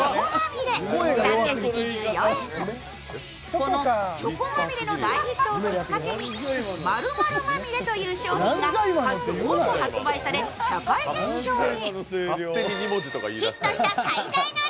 このチョコまみれの大ヒットをきっかけに「○○まみれ」という商品が数多く発売され社会現象に。